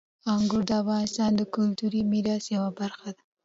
انګور د افغانستان د کلتوري میراث یوه برخه ده.